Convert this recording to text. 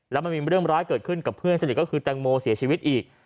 แล้วมันมีเรื่องร้ายเกิดขึ้นกับเพื่อนสนิทก็คือแตงโมเสียชีวิตอีก